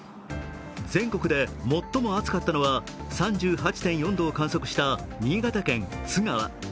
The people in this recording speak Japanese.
全国で最も暑かったのは３８．４度を観測した新潟県津川。